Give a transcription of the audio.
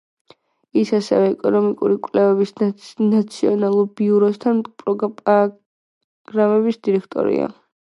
ის ასევე ეკონომიკური კვლევების ნაციონალურ ბიუროსთან პროგრამების დირექტორია.